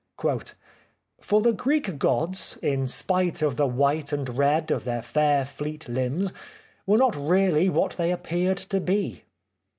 " For the Greek gods, in spite of the white and red of their fair fleet limbs, were not really what they appeared to be."